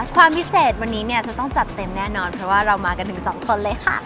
ความพิเศษวันนี้เนี่ยจะต้องจัดเต็มแน่นอนเพราะว่าเรามากันถึงสองคนเลยค่ะ